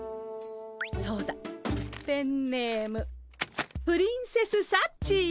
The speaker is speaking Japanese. そうだペンネームプリンセスサッチー。